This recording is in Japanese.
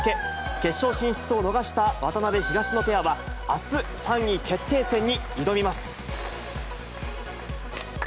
決勝進出を逃した渡辺・東野ペアは、あす、３位決定戦に挑みます。